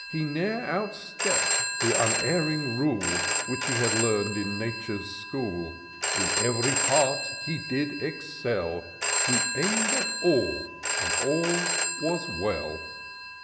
He ne'er outstepp'd th' imerring rule, Which he had lefum'd in Nature's school: In ev'ry part he did excel; He aim'd at all, and all was well.